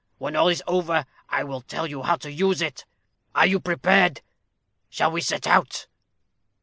When all is over, I will tell you how to use it. Are you prepared? Shall we set out?"